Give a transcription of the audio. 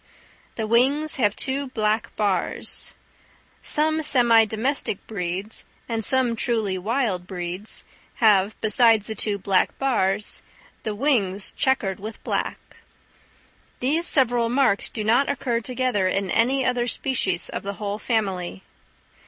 The wings have two black bars. Some semi domestic breeds, and some truly wild breeds, have, besides the two black bars, the wings chequered with black. These several marks do not occur together in any other species of the whole family.